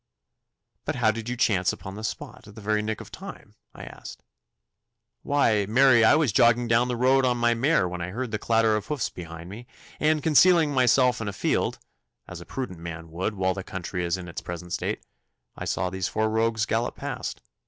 'But how did you chance upon the spot at the very nick of time?' I asked. 'Why, marry, I was jogging down the road on my mare when I heard the clatter of hoofs behind me, and concealing myself in a field, as a prudent man would while the country is in its present state, I saw these four rogues gallop past.